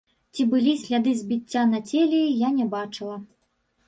Ці былі сляды збіцця на целе, я не бачыла.